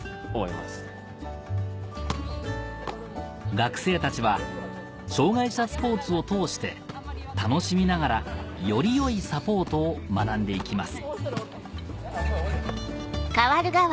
・学生たちは障がい者スポーツを通して楽しみながらよりよいサポートを学んでいきます